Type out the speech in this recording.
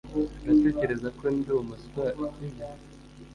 Uratekereza ko ndi umuswa, sibyo?